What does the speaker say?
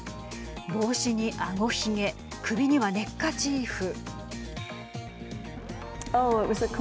帽子に、あごひげ首にはネッカチーフ。